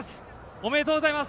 おめでとうございます。